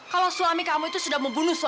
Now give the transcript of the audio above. kalau suami kamu itu sudah membunuh suami